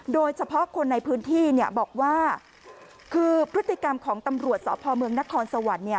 โดยเฉพาะคนในพื้นที่บอกว่าคือพฤติกรรมของตำรวจสพเมืองนครสวรรค์